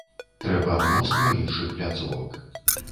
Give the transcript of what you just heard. Трэба мноства іншых пляцовак.